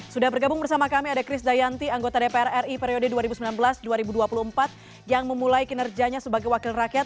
sudah bergabung bersama kami ada chris dayanti anggota dpr ri periode dua ribu sembilan belas dua ribu dua puluh empat yang memulai kinerjanya sebagai wakil rakyat